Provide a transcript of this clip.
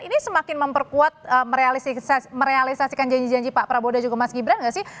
ini semakin memperkuat merealisasikan janji janji pak prabowo dan juga mas gibran nggak sih